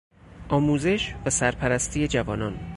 آموزش و سرپرستی جوانان